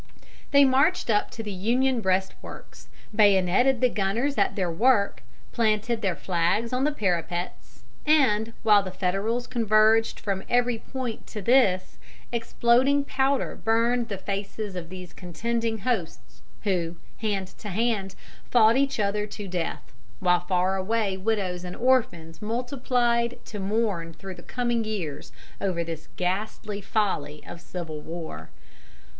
They marched up to the Union breastworks, bayoneted the gunners at their work, planted their flags on the parapets, and, while the Federals converged from every point to this, exploding powder burned the faces of these contending hosts, who, hand to hand, fought each other to death, while far away widows and orphans multiplied to mourn through the coming years over this ghastly folly of civil war.